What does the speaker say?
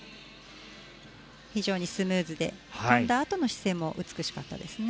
非常にスムーズで跳んだあとの姿勢も美しかったですね。